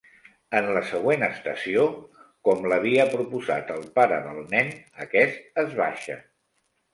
En la següent estació, com l'havia proposat el pare del nen, aquest es baixa.